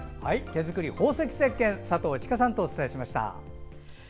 手作り宝石せっけん佐藤千佳さんとお伝えしました。